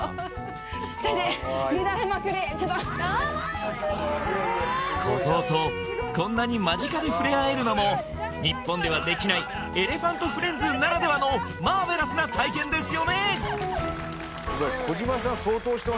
セーンディーちょっと子ゾウとこんなに間近でふれあえるのも日本ではできないエレファントフレンズならではのマーベラスな体験ですよね！